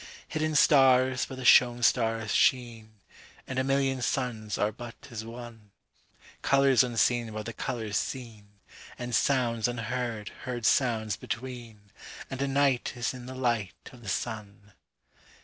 19Hidden stars by the shown stars' sheen:20(And a million suns are but as one)21Colours unseen by the colours seen,22And sounds unheard heard sounds between,23And a night is in the light of the sun.